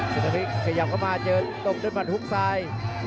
สุนภิกขยับเข้ามาเจอตบด้วยหมัดฮุกซ้าย